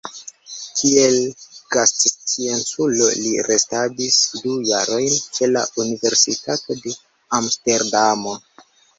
Kiel gastscienculo li restadis du jarojn ĉe la Universitato de Amsterdamo.